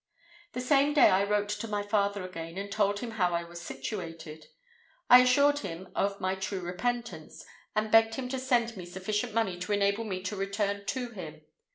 "The same day I wrote to my father again, and told him how I was situated. I assured him of my true repentance, and begged him to send me sufficient money to enable me to return to him.